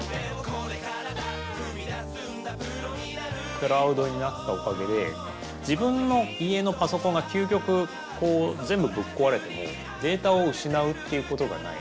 クラウドになったおかげで自分の家のパソコンが究極全部ぶっこわれてもデータを失うっていうことがない。